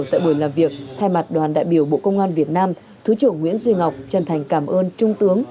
tại buổi làm việc thay mặt đoàn đại biểu bộ công an việt nam thứ trưởng nguyễn duy ngọc chân thành cảm ơn trung tướng